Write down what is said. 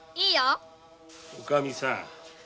おかみさん